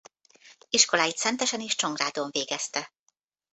Iskoláit Szentesen és Csongrádon végezte.